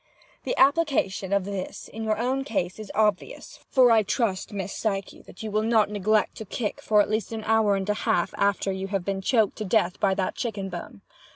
The application of this to your own case is obvious—for I trust, Miss Psyche, that you will not neglect to kick for at least an hour and a half after you have been choked to death by that chicken bone.